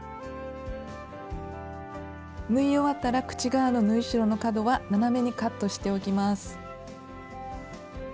縫い終わったら口側の縫い代の角は斜めにカットしておきます。